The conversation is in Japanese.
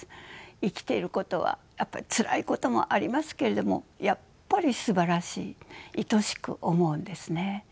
生きていることはやっぱりつらいこともありますけれどもやっぱりすばらしいいとしく思うんですね。